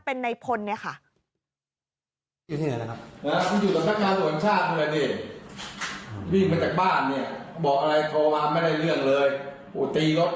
เป็นในพลเนี่ยค่ะ